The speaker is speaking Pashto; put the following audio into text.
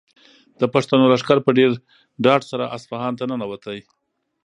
د پښتنو لښکر په ډېر ډاډ سره اصفهان ته ننووت.